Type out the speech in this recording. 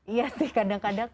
iya sih kadang kadang